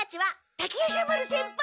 滝夜叉丸先輩が。